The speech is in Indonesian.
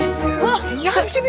oh iya ini cepetan